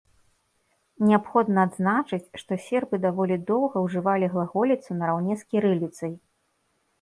Неабходна адзначыць, што сербы даволі доўга ўжывалі глаголіцу нараўне з кірыліцай.